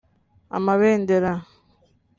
amabendera